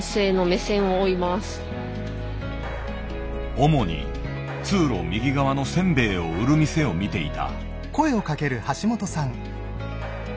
主に通路右側のせんべいを売る店を見ていた。